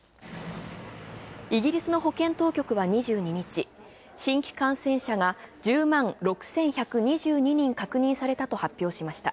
イギリスの保険当局は２２日、新規感染者が１０万６１２２人確認されたと発表。